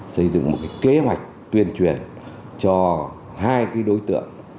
xây dựng một kế hoạch tuyên truyền cho hai đối tượng